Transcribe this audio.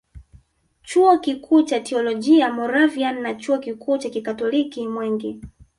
Chuo kikuu cha Teolojia Moravian na Chuo kikuu cha kikatoliki Mwenge